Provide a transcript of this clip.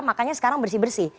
makanya sekarang bersih bersih